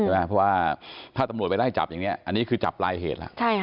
เพราะว่าถ้าตำรวจไปไล่จับอย่างนี้อันนี้คือจับปลายเหตุแล้ว